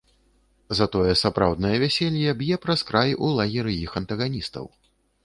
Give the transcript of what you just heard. Затое сапраўднае вяселле б'е праз край у лагеры іх антаганістаў.